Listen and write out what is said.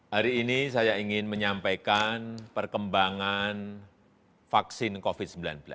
hari ini saya ingin menyampaikan perkembangan vaksin covid sembilan belas